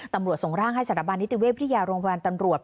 ตำรวจส่งร่างให้สถานบาลนิตเวศพิทยาโรงพยาบาลตำรวจ